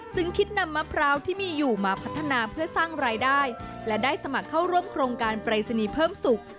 จึงคิดนำมะพร้าวที่มีอยู่มาพัฒนาเพื่อสร้างรายได้และได้สมัครเข้าร่วมโครงการปรายศนีย์เพิ่มสุข